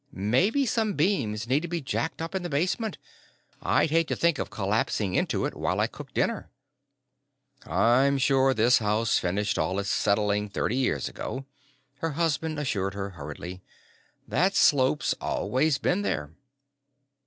"Maybe some beams need to be jacked up in the basement. I'd hate to think of collapsing into it while I cooked dinner." "I'm sure this house finished all its settling thirty years ago," her husband assured her hurriedly. "That slope's always been there."